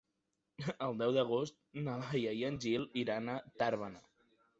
El deu d'agost na Laia i en Gil iran a Tàrbena.